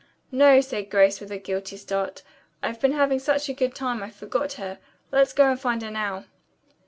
"No," said Grace with a guilty start. "I've been having such a good time I forgot her. Let's go and find her now."